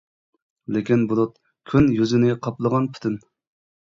لېكىن بۇلۇت كۈن يۈزىنى قاپلىغان پۈتۈن.